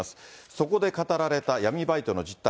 そこで語られた闇バイトの実態。